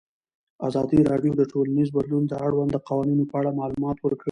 ازادي راډیو د ټولنیز بدلون د اړونده قوانینو په اړه معلومات ورکړي.